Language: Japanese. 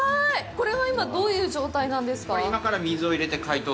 これは今、どういう状態なんですか。